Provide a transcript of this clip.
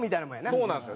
そうなんですよ。